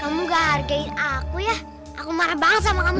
kamu gak hargai aku ya aku marah banget sama kamu